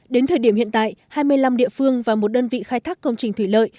đến thời điểm hiện tại hai mươi năm địa phương và một đơn vị khai thác công trình thủy lợi